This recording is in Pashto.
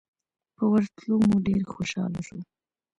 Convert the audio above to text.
په ورتلو مو ډېر خوشاله شو.